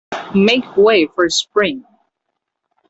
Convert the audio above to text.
Make way for spring!